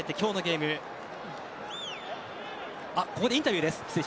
ここでインタビューです。